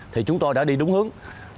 thì chúng tôi đã đi đúng hướng